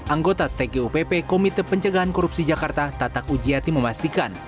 anggota tgupp komite pencegahan korupsi jakarta tatak ujiati memastikan